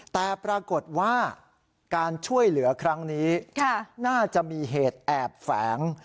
แต่ปรากฏว่าการช่วยเหลือครั้งนี้น่าจะมีเหตุแอบแฝง